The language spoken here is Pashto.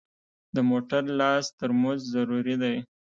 د موټر لاس ترمز ضروري دی.